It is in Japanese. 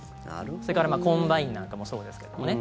それからコンバインなんかもそうですけどね。